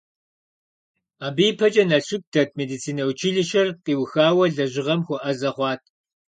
Абы ипэкӀэ Налшык дэт медицинэ училищэр къиухауэ лэжьыгъэм хуэӀэзэ хъуат.